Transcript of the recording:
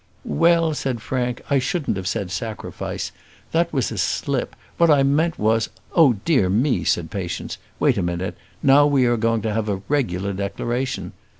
"Well," said Frank, "I shouldn't have said sacrifice, that was a slip; what I meant was " "Oh, dear me," said Patience, "wait a minute; now we are going to have a regular declaration.